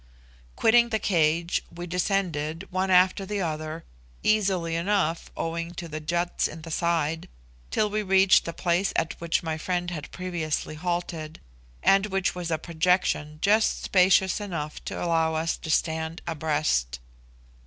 Quitting the cage, we descended, one after the other, easily enough, owing to the juts in the side, till we reached the place at which my friend had previously halted, and which was a projection just spacious enough to allow us to stand abreast.